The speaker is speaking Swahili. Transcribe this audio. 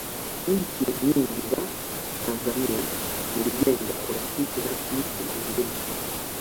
nchi nyingi za tanzania ilijenga urafiki na nchi nyingine